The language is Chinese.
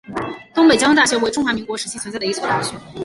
东北交通大学为中华民国时期存在的一所大学。